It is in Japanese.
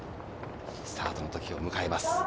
スタートの時を迎えます。